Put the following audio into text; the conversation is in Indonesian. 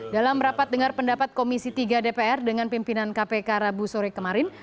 dalam rapat dengar pendapat komisi tiga dpr dengan pimpinan kpk rabu sore kemarin